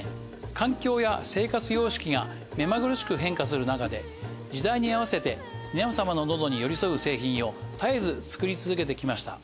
環境や生活様式が目まぐるしく変化するなかで時代に合わせて皆様ののどに寄り添う製品を絶えず作り続けてきました。